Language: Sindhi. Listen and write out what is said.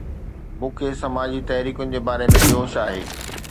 مون کي سماجي تحريڪن جي باري ۾ جوش آهي